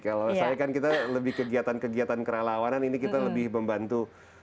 kalau saya kan kita lebih kegiatan kegiatan kerelawanan ini kita lebih membantu